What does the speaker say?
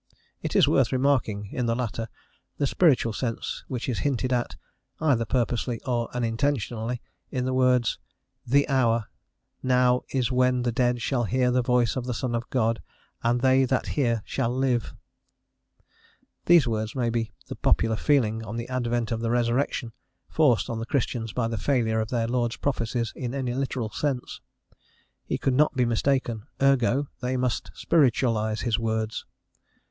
It is worth remarking, in the latter, the spiritual sense which is hinted at either purposely or unintentionally in the words, "The hour... now is when the dead shall hear the voice of the Son of God, and they that hear shall live." These words may be the popular feeling on the advent of the resurrection, forced on the Christians by the failure of their Lord's prophecies in any literal sense. He could not be mistaken, ergo they must spiritualise his words.